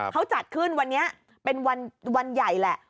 เขาจัดขึ้นวันนี้เป็นวันใหญ่แหละ